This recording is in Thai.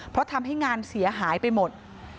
เพราะทำให้งานเสียหายไปหมด